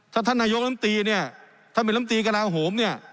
ถ้าท่านนายกล้มตีเนี้ยถ้าเป็นล้มตีกระดาษโหมเนี้ย